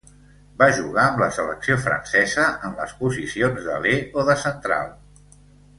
Va jugar amb la selecció francesa en les posicions d'aler o de central.